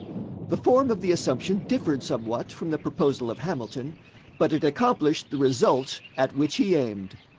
The form of the assumption differed somewhat from the proposal of Hamilton, but it accomplished the result at which he aimed.